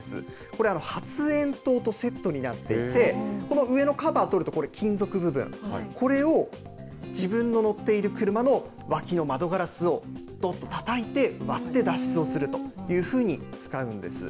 これ、発炎筒とセットになっていて、この上のカバー取ると、これ、金属部分、これを自分の乗っている車の脇の窓ガラスをどんとたたいて、割って脱出をするというふうに使うんです。